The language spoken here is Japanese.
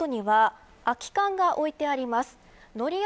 足元には空き缶が置いてあります。